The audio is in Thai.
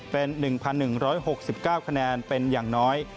เป็น๑๑๖๙คะแนนเป็นอย่างน้อย